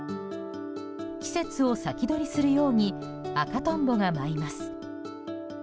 季節を先取りするように赤トンボが舞います。